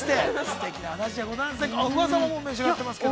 すてきな話じゃございませんか。